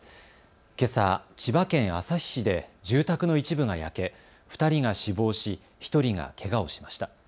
けさ、千葉県旭市で住宅の一部が焼け、２人が死亡し１人がけがをしました。